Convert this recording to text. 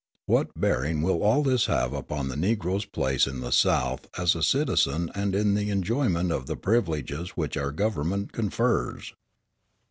What bearing will all this have upon the Negro's place in the South as a citizen and in the enjoyment of the privileges which our government confers?